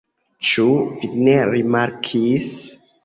Ĉu vi ne rimarkis?